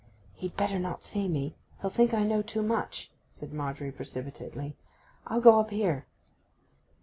'He'd better not see me; he'll think I know too much,' said Margery precipitately. 'I'll go up here.